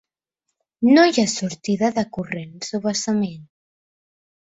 No hi ha sortida de corrents o vessament.